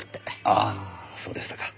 ああそうでしたか。